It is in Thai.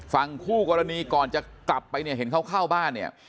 ฝั่งคู่กรณีก่อนจะกลับไปเนี่ยเห็นเขาเข้าบ้านเนี่ย